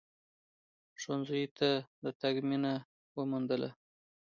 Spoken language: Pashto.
ښونځیو ته د تگ زمینه وموندله